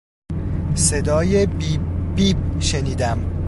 صدای بیب بیب شنیدم.